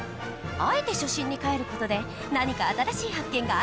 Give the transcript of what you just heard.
あえて初心にかえる事で何か新しい発見があるかもしれない！